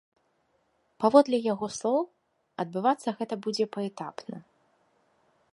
Паводле яго слоў, адбывацца гэта будзе паэтапна.